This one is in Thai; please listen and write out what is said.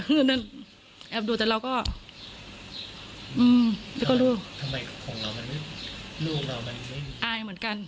เพราะลูกทำไมของเรามันไม่ลูกเรามันไม่อายเหมือนกัน